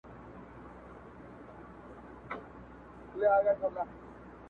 د پښتونستان د ورځي -